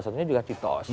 salah satunya juga citos